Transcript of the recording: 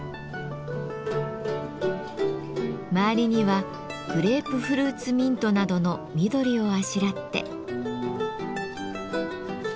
周りにはグレープフルーツミントなどの緑をあしらって。